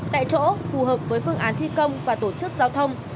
tại chỗ phù hợp với phương án thi công và tổ chức giao thông